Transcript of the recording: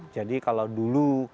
jadi kalau dulu